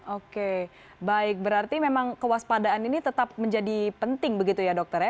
oke baik berarti memang kewaspadaan ini tetap menjadi penting begitu ya dokter ya